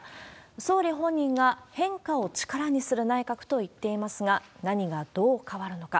総理本人が変化を力にする内閣と言っていますが、何がどう変わるのか。